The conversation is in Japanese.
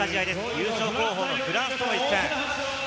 優勝候補のフランスとの一戦。